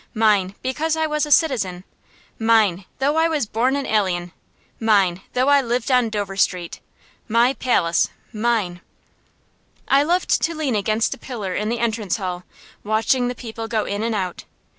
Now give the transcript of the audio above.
Mine, because I was a citizen; mine, though I was born an alien; mine, though I lived on Dover Street. My palace mine! I loved to lean against a pillar in the entrance hall, watching the people go in and out.